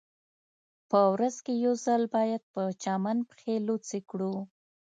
په ورځ کې یو ځل باید په چمن پښې لوڅې کړو